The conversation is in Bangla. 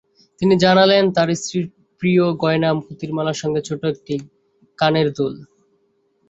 তিনি জানালেন, তাঁর স্ত্রীর প্রিয় গয়না পুঁতিরমালা, সঙ্গে ছোট্ট একটা কানের দুল।